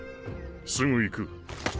すぐ行く。